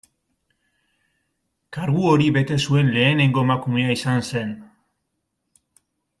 Kargu hori bete zuen lehenengo emakumea izan zen.